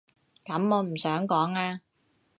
噉我唔想講啊